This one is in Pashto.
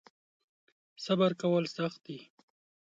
صبر کول سخت دی .